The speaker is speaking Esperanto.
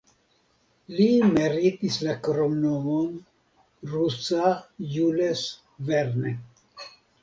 Li meritis la kromnomon "Rusa Jules Verne".